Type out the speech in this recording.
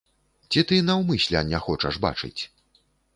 Ці ты наўмысля не хочаш бачыць?